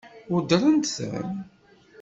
Weddṛent-ten?